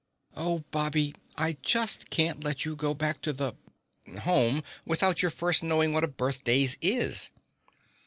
"Oh, Bobby, I just can't let you go back to the ... Home, without your first knowing what a birthdays is."